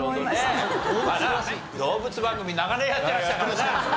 まあな動物番組長年やっていらしたからな。